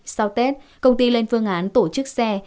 sau tết công ty lên phương án tổ chức xe